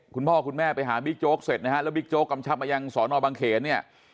คุณพ่อคุณแม่ไปหาบิ๊กโจ๊กเสร็จนะฮะแล้วบิ๊กโจ๊กกำชับมายังสอนอบังเขนเนี่ย